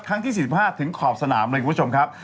ที่๔๕ถึงขอบสนามเลยคุณผู้ชมครับ